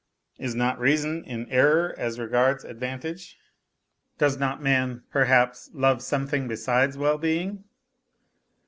Is not reason in error as regards advantage ? Does not man, perhaps, love something besides well being